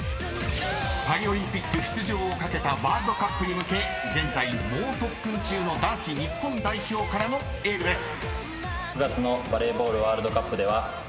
［パリオリンピック出場を懸けたワールドカップに向け現在猛特訓中の男子日本代表からのエールです］